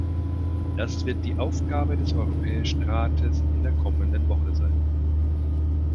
Das wird die Aufgabe des Europäischen Rates in der kommenden Woche sein.